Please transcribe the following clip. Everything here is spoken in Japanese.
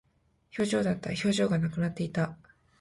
表情だった。表情がなくなっていた。